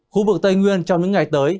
khu vực tây nguyên trong những ngày tới